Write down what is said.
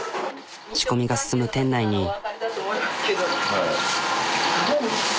仕込みが進む店内に。